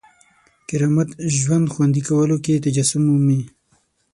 کرامت ژوند خوندي کولو کې تجسم مومي.